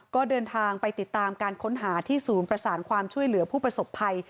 ก็เดินทางไปติดตามการค้นหาที่ศูนย์ประสานความช่วยเหลือผู้ประสบภัย